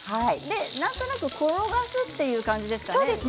なんとなく転がすという感じですかね。